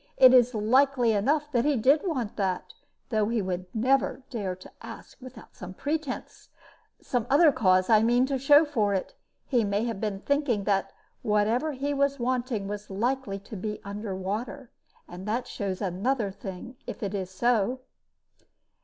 It is likely enough that he did want that, though he never would dare to ask without some pretense some other cause I mean, to show for it. He may have been thinking that whatever he was wanting was likely to be under water. And that shows another thing, if it is so."